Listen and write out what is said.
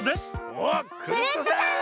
おっクルットさん！